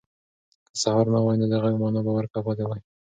که سهار نه وای، نو د غږ مانا به ورکه پاتې وای.